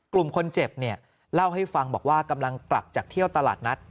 กลุ่มคนเจ็บเนี่ยเล่าให้ฟังบอกว่ากำลังกลับจากเที่ยวตลาดนัด